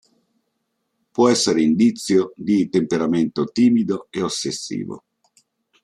Può essere indizio di temperamento timido e ossessivo.